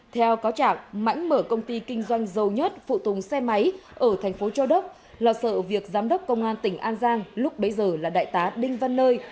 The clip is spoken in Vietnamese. theo cáo trạng mãnh mở công ty kinh doanh dầu nhất phụ tùng xe máy ở thành phố châu đốc lo sợ việc giám đốc công an tỉnh an giang lúc bấy giờ là đại tá đinh văn nơi